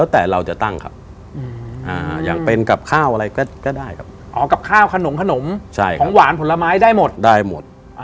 แต่เราจะตั้งครับอย่างเป็นกับข้าวอะไรก็ได้ครับอ๋อกับข้าวขนมของหวานผลไม้ได้หมดได้หมด